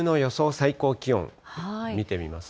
最高気温、見てみますと。